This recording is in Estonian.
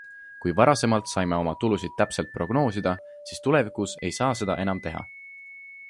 Kui varasemalt saime oma tulusid täpselt prognoosida, siis tulevikus ei saa seda enam teha.